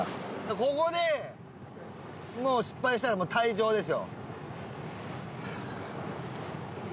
ここでもう失敗したら退場ですよ。